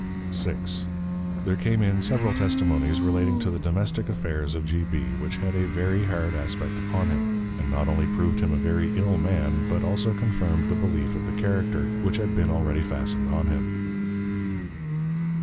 VI. There came in several Testimonies relating to the Domestick Affairs of G. B. which had a very hard Aspect upon him; and not only prov'd him a very ill Man; but also confirmed the belief of the Character, which had been already fastned on him.